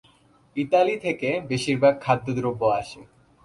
Italy থেকে বেশির ভাগ খাদ্যদ্রব্য আসে।